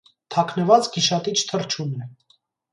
Թաքնված գիշատիչ թռչուն է։